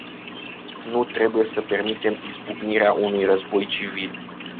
Nu trebuie să permitem izbucnirea unui război civil.